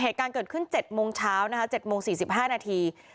เหตุการณ์เกิดขึ้น๗โมงเช้านะคะ๗โมง๔๕นาที